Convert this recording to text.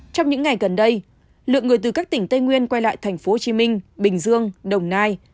trong những ngày gần đây lượng người từ các tỉnh tây nguyên quay lại thành phố hồ chí minh bình dương đồng nai